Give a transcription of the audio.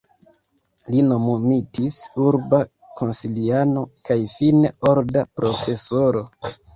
Li nomumitis urba konsiliano kaj fine orda profesoro.